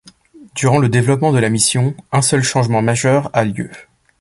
Durant le développement de la mission, un seul changement majeur a lieu.